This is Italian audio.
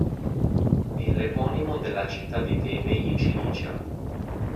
È l'eponimo della città di Tebe in Cilicia.